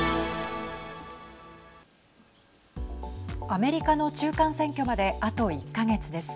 アメリカの中間選挙まであと１か月です。